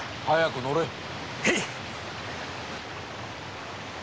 早く乗れ。